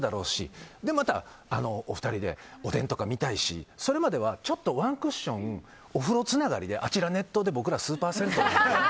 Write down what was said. それでまた、お二人でおでんとか見たいし、それまではちょっとワンクッションお風呂つながりで、あちら熱湯で僕らスーパー銭湯なので。